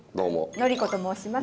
紀子と申します。